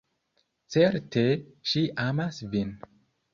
Certe ŝi amas vin!